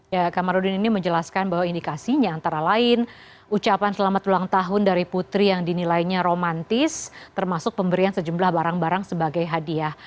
ya kamarudin ini menjelaskan bahwa indikasinya antara lain ucapan selamat ulang tahun dari putri yang dinilainya romantis termasuk pemberian sejumlah barang barang sebagai hadiah